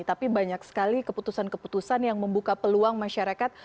tapi banyak sekali keputusan keputusan yang membuka peluang masyarakat